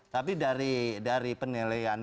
tapi dari penilaian